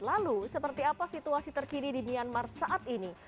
lalu seperti apa situasi terkini di myanmar saat ini